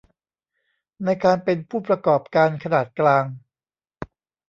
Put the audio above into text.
ในการเป็นผู้ประกอบการขนาดกลาง